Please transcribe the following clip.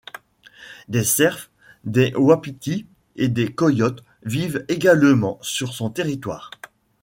Des cerfs, des wapitis et des coyotes vivent également sur son territoire.